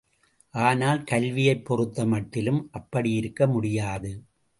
ஆனால் கல்வியைப் பொறுத்த மட்டிலும் அப்படியிருக்க முடியாது.